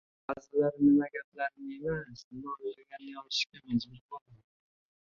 Ba’zilari nima gapirganini emas, nima o'ylaganini yozishga majbur bo'ldim.